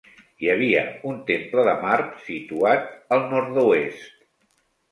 Hi havia un temple de Mart situat al nord-oest.